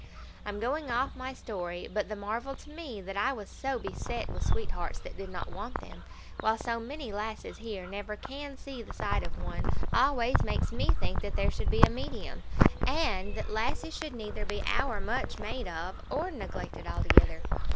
I'm going off of my story; but the marvel to me that I was so beset with sweethearts that did not want them, while so many lasses here never Can see the sight of one, always makes me think that there should be a medium, and that lasses should neither be ower much made of or neglected altogether.